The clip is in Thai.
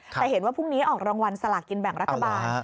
แต่เห็นว่าพรุ่งนี้ออกรางวัลสลากินแบ่งรัฐบาล